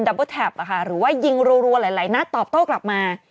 ดับเบิ้ลแท็บอ่ะค่ะหรือว่ายิงรัวหลายนัดตอบโต้กลับมา